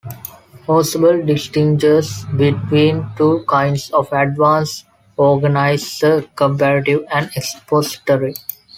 Ausubel distinguishes between two kinds of advance organizer: "comparative" and "expository".